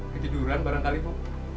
ketiduran barangkali bu